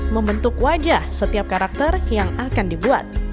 membentuk wajah setiap karakter yang akan dibuat